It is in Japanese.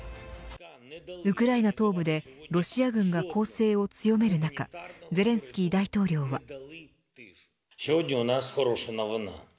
ウクライナ東部でロシア軍が攻勢を強める中ゼレンスキー大統領は。